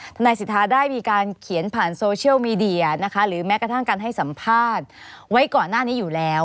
ทนายสิทธาได้มีการเขียนผ่านโซเชียลมีเดียนะคะหรือแม้กระทั่งการให้สัมภาษณ์ไว้ก่อนหน้านี้อยู่แล้ว